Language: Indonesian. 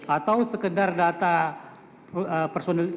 atau sekedar data personal